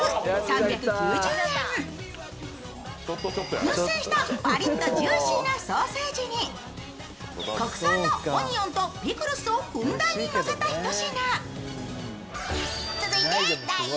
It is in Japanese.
くん製したパリッとジューシーなソーセージに国産のオニオンとピクルスをふんだんにのせたひと品。